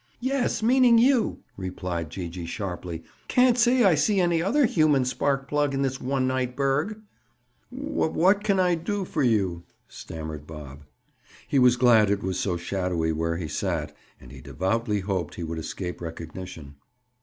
"Yes, meaning you!" replied Gee gee sharply. "Can't say I see any other human spark plug in this one night burg." "What can I do for you?" stammered Bob. He was glad it was so shadowy where he sat, and he devoutly hoped he would escape recognition.